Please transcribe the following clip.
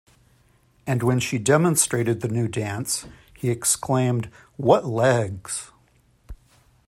And when she demonstrated the new dance, he exclaimed, What legs!